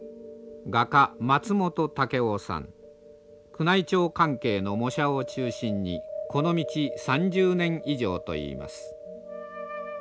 宮内庁関係の模写を中心にこの道３０年以上といいます。